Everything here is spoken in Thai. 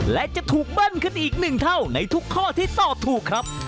และจะถูกเบิ้ลขึ้นอีกหนึ่งเท่าในทุกข้อที่ตอบถูกครับ